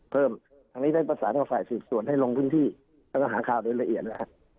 เพิ่มทางนี้ได้ประสานของฝ่ายสูตรส่วนให้ลงพื้นที่แล้วก็หาค่าโดยละเอียดนะครับ